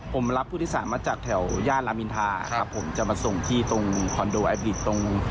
ผมรับผู้โดยสารมาจากแถวย่านรามอินทาครับผมจะมาส่งที่ตรงคอนโดแอบริตตรง